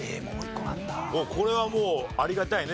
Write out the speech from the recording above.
これはもうありがたいね。